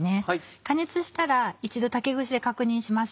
加熱したら一度竹串で確認します。